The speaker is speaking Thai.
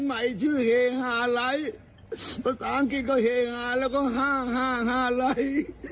ใหม่ชื่อเฮฮาไลท์ภาษาอังกฤษก็เฮฮาแล้วก็ห้าห้าห้าไลท์